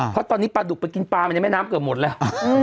เพราะตอนนี้ปลาดุกไปกินปลามันในน้ำก็หมดแล้ว